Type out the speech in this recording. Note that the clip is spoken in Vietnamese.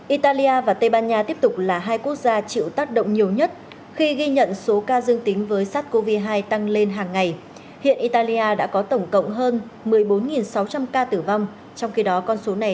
italia và tây ban nha tiếp tục là hai quốc gia chịu tác động nhiều nhất khi ghi nhận số ca dương tính với sát covid hai tăng lên hàng ngày